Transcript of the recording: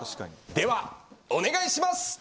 ではお願いします！